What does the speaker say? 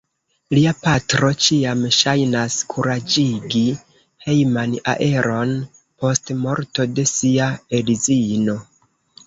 Lia patro ĉiam ŝajnas kuraĝigi hejman aeron post morto de sia edzino.